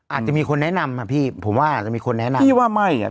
อาจจะมีคนแนะนำอ่ะพี่ผมว่าอาจจะมีคนแนะนำพี่ว่าไม่อ่ะ